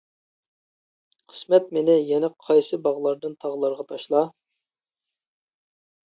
قىسمەت مېنى يەنە قايسى باغلاردىن تاغلارغا تاشلا.